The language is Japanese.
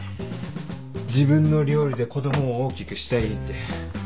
自分の料理で子供を大きくしたいって。